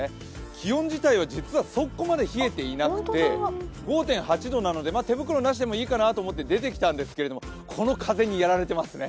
気温自体は実はそこまで冷えていなくて５．８度なので手袋なしでいいかなと思って出てきたんですけれども、この風にやられてますね。